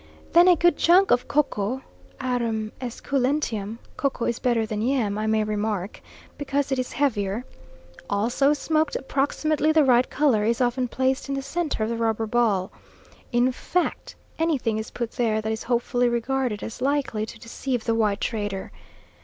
Then a good chunk of Koko, Arum esculentum (Koko is better than yam, I may remark, because it is heavier), also smoked approximately the right colour, is often placed in the centre of the rubber ball. In fact, anything is put there, that is hopefully regarded as likely to deceive the white trader.